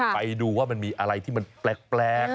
ไปดูว่ามันมีอะไรที่มันแปลก